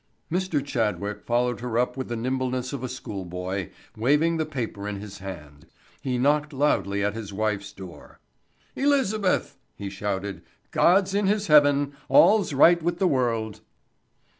Mr. Chadwick followed her up with the nimbleness of a school boy, waving the paper in his hand. He knocked loudly at his wife's door. "Elizabeth," he shouted, "God's in his heaven—all's right with the world."